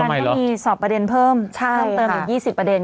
ฝอมันต้องมีสอบประเด็นเพิ่มต้องเดินอีก๒๐ประเด็น